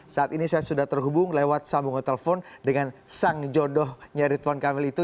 saat ini saya sudah terhubung lewat sambungan telepon dengan sang jodohnya ridwan kamil itu